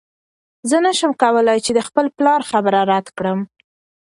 زه نشم کولی چې د خپل پلار خبره رد کړم.